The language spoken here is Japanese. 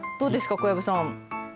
小籔さん。